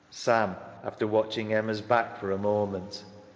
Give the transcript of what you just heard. SAM (after watching Emma's back for a moment).